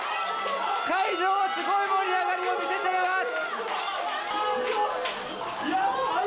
会場はすごい盛り上がりを見せています。